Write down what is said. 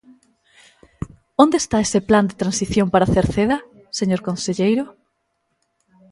¿Onde está ese plan de transición para Cerceda, señor conselleiro?